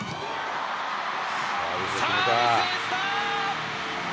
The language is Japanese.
サービスエースだ。